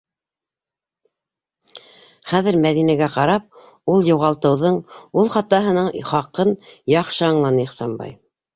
Хәҙер, Мәҙинәгә ҡарап, ул юғалтыуҙың, ул хатаһының хаҡын яҡшы аңланы Ихсанбай.